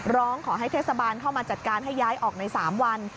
ร้องขอให้เทศบาลเข้ามาจัดการให้ย้ายออกใน๓วัน